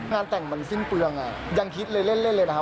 งานแต่งมันสิ้นเปลืองยังคิดเล่นเลยนะคะ